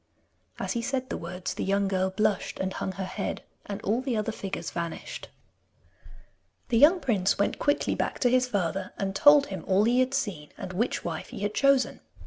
As he said the words the young girl blushed and hung her head, and all the other figures vanished. The young prince went quickly back to his father, and told him all he had seen and which wife he had chosen.